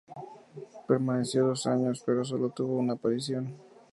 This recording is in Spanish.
Permaneció dos años, pero sólo tuvo una aparición.